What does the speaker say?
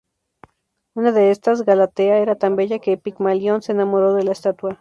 Una de estas, Galatea, era tan bella que Pigmalión se enamoró de la estatua.